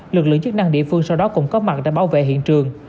lực lượng chức năng địa phương sau đó cũng có mặt để bảo vệ hiện trường